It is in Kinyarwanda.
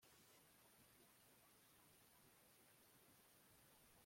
iyo njangwe ifite ubwoya bwiza